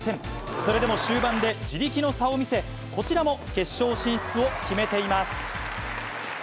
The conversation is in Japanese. それでも終盤で地力の差を見せ、こちらも決勝進出を決めています。